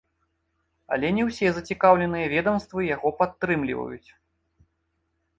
Але не ўсе зацікаўленыя ведамствы яго падтрымліваюць.